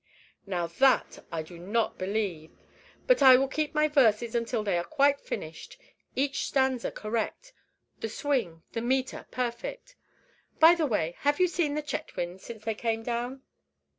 "Now, that I do not believe; but I will keep my verses until they are quite finished, each stanza correct, the swing, the meter perfect. By the way, have you seen the Chetwynds since they came down?"